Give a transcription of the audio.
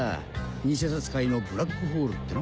偽札界のブラックホールってな。